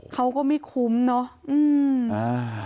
เขาก็ไม่คุ้มเนาะ